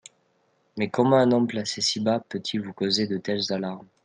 Mais comment un homme placé si bas peut-il vous causer de telles alarmes ?